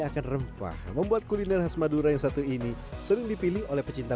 akan rempah membuat kuliner khas madura yang satu ini sering dipilih oleh pecinta